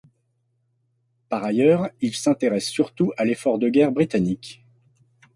Par ailleurs, il s'intéresse surtout à l'effort de guerre britannique.